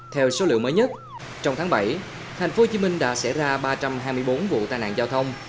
theo số liệu mới nhất trong tháng bảy tp hcm đã xảy ra ba trăm hai mươi bốn vụ tai nạn giao thông